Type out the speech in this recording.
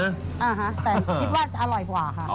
แต่คิดว่าจะอร่อยกว่าค่ะ